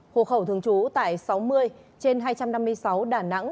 hộ khẩu thường trú tại sáu mươi trên hai trăm năm mươi sáu đà nẵng